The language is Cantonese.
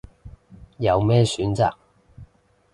有咩選擇